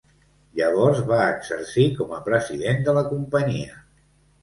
Llavors va exercir com a president de la companyia.